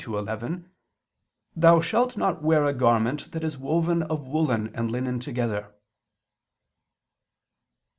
22:11): "Thou shalt not wear a garment that is woven of woolen and linen together."